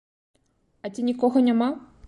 А ці нікога няма?